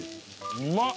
うまっ！